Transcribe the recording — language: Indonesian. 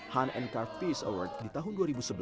han and carp peace award di tahun dua ribu sebelas